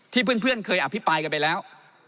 เพื่อนเคยอภิปรายกันไปแล้ว